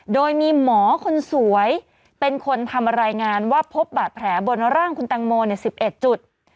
โดยมีหมอคนสวยเป็นคนทำรายงานว่าพบบาดแผลบนร่างคุณตังโม๑๑จุด